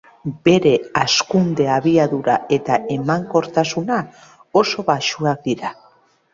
Bere hazkunde-abiadura eta emankortasuna oso baxuak dira.